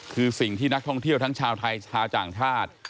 คือสิ่งที่นักท่องเที่ยวทั้งชาวไทยชาวต่างชาติ